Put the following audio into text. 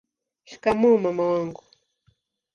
shikamoo mama wangu